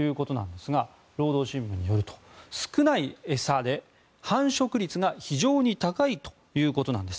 労働新聞によると、少ない餌で繁殖率が非常に高いということなんです。